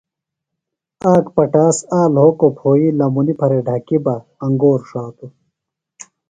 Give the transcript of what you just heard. آک پٹاس آک لیکوۡ پھوئی لمُنیۡ پھرےۡ ڈھکیۡ بہ انگور ݜاتوۡ۔